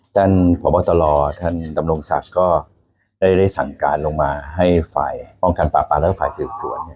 ท่านความว่าตลอดท่านตำรงศักดิ์ก็ได้สั่งการลงมาให้ฝ่ายป้องกันปลาปลาและฝ่ายถือส่วน